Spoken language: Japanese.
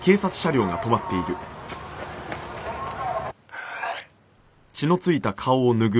ああ。